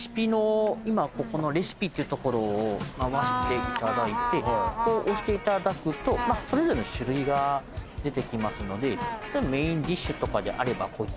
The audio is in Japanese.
ここのレシピっていうところを回していただいてここ押していただくとそれぞれの種類が出てきますのでメインディッシュとかであればこういった。